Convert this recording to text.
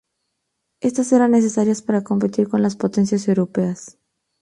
Estas eran necesarias para competir con las potencias europeas.